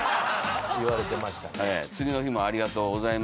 言われてましたね。